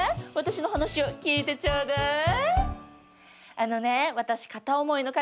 私の話を聞いてちょうだい。